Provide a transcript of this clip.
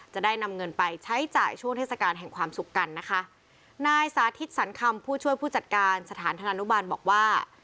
จะได้นำเงินไปใช้จ่ายช่วงเทศกาลแห่งความสุขกันนะคะนายสาธิตสรรคำผู้ช่วยผู้จัดการสถานธนานุบาลบอกว่า